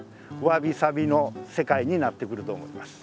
わびさびの世界になってくると思います。